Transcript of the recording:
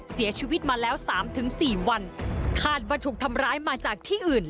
เสียชีวิตมาแล้วสามถึงสี่วันคาดว่าถูกทำร้ายมาจากที่อื่น